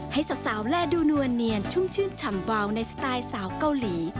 ให้สาวแลดูนวลเนียนชุ่มชื่นฉ่ำวาวในสไตล์สาวเกาหลี